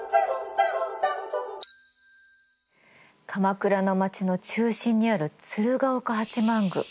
鎌倉の町の中心にある鶴岡八幡宮。